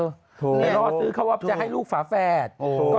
ไปล่อซื้อเขาว่าจะให้ลูกฝาแฝด